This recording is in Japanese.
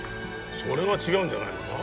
それは違うんじゃないのか？